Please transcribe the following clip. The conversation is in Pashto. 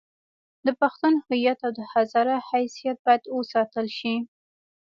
د پښتون هویت او د هزاره حیثیت باید وساتل شي.